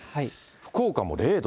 福岡も０度。